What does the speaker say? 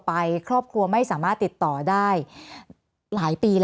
แอนตาซินเยลโรคกระเพาะอาหารท้องอืดจุกเสียดแสบร้อน